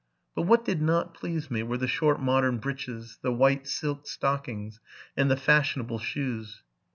But what did not please me were the short modern breeches, the white silk stockings, and the fashionable shoes.